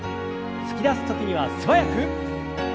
突き出す時には素早く。